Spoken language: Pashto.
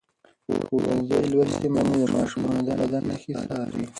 ښوونځې لوستې میندې د ماشومانو د بدن نښې څاري.